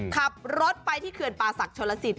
ขับรถไปที่เขื่อนป่าศักดิชนลสิต